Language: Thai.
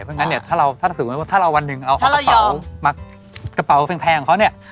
ครับเพราะงั้นเนี่ยถ้าท่าผิดว่าวันหนึ่งเอากระเป๋าแพงของเขาเนี่ย